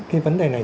cái vấn đề này